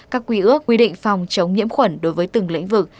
các quy ước quy định phòng chống nhiễm khuẩn đối với từng lĩnh vực